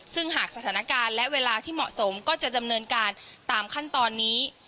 ซึ่งหากสถานการณ์และเวลาที่เหมาะสมก็จะดำเนินการตามขั้นตอนนี้